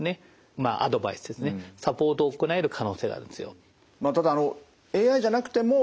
まあアドバイスですねサポートを行える可能性があるんですよ。